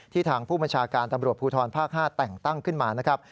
ทางผู้บัญชาการตำรวจภูทรภาค๕แต่งตั้งขึ้นมานะครับ